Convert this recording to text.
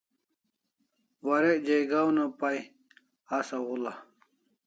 Warek jaiga una Pai asaw hul'a